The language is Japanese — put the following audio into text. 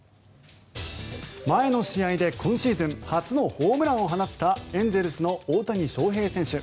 前の試合で今シーズン初のホームランを放ったエンゼルスの大谷翔平選手。